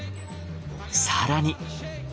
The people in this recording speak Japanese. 更に。